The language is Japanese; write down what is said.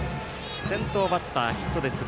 先頭バッター、ヒットで出塁。